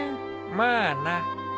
まあな。